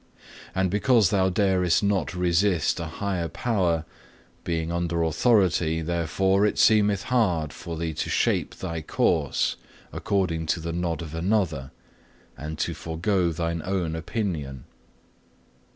And because thou darest not resist a higher power, being under authority, therefore it seemeth hard for thee to shape thy course according to the nod of another, and to forego thine own opinion.